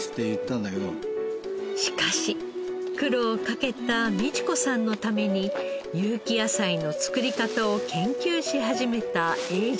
しかし苦労をかけた美智子さんのために有機野菜の作り方を研究し始めた英次郎さん。